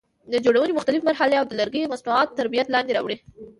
د جوړونې مختلفې مرحلې او د لرګي مصنوعات تر برید لاندې راولي.